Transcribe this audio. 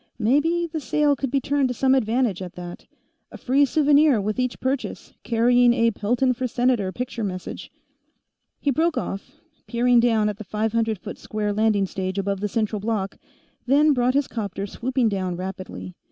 Maybe the sale could be turned to some advantage, at that. A free souvenir with each purchase, carrying a Pelton for Senator picture message He broke off, peering down at the five hundred foot square landing stage above the central block, then brought his 'copter swooping down rapidly.